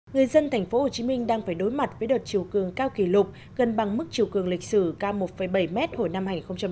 người dân tp hcm đang phải đối mặt với đợt chiều cường cao kỷ lục gần bằng mức chiều cường lịch sử cao một bảy mét hồi năm hai nghìn một mươi